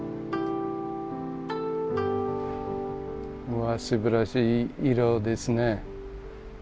うわすばらしい色ですね。